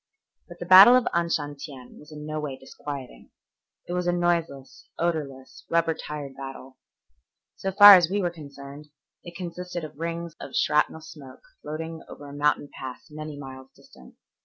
But the battle of Anshantien was in no way disquieting. It was a noiseless, odorless, rubber tired battle. So far as we were concerned it consisted of rings of shrapnel smoke floating over a mountain pass many miles distant.